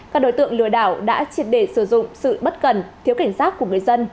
các đối tượng lừa đảo đã triệt để sử dụng sự bất cần thiếu cảnh giác của người dân